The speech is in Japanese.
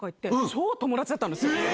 超友達だったんですよ。